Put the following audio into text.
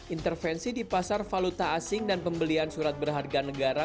intervensi di pasar valuta asing dan pembelian surat berharga negara